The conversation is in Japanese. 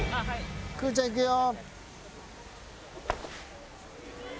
クーちゃんいくよ！